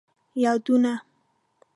یادونه